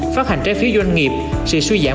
phát hành trái phiếu doanh nghiệp sự suy giảm